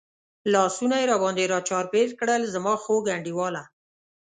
لاسونه یې را باندې را چاپېر کړل، زما خوږ انډیواله.